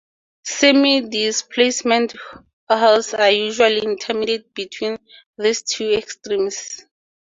Semi-displacement hulls are usually intermediate between these two extremes.